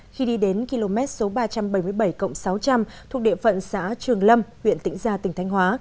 khi đi đến km ba trăm bảy mươi bảy sáu trăm linh thuộc địa phận xã trường lâm huyện tĩnh gia tỉnh thánh hóa